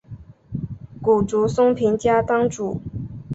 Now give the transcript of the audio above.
竹谷松平家当主。